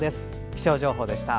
気象情報でした。